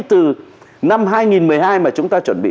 từ năm hai nghìn một mươi hai mà chúng ta chuẩn bị